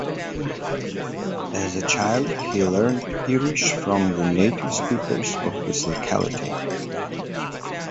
As a child, he learnt Irish from the native speakers of his locality.